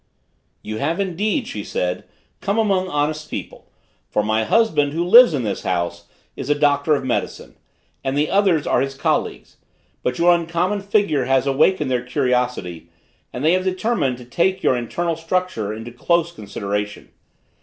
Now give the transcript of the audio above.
"You have, indeed," she said, "come among honest people, for my husband, who lives in this house, is a doctor of medicine, and the others are his colleagues: but your uncommon figure has awakened their curiosity, and they have determined to take your internal structure into close consideration.